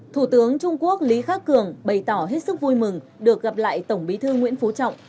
thủ tướng trung quốc lý khắc cường bày tỏ hết sức vui mừng được gặp lại tổng bí thư nguyễn phú trọng